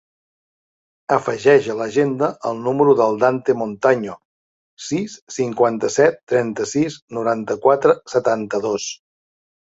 Afegeix a l'agenda el número del Dante Montaño: sis, cinquanta-set, trenta-sis, noranta-quatre, setanta-dos.